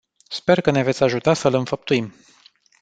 Sper că ne veți ajuta să-l înfăptuim.